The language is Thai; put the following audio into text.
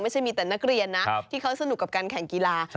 ไม่ใช่มีแต่นักเรียนนะที่เขาสนุกกับการแข่งกีฬา